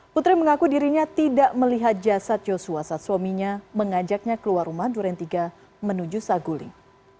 putri mengaku dirinya tidak melihat jasad joshua saat suaminya mengajaknya keluar rumah duren tiga menuju saguling